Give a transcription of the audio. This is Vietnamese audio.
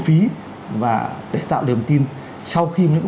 phí và để tạo niềm tin sau khi những